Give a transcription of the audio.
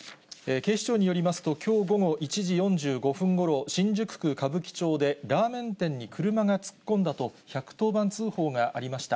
警視庁によりますと、きょう午後１時４５分ごろ、新宿区歌舞伎町で、ラーメン店に車が突っ込んだと１１０番通報がありました。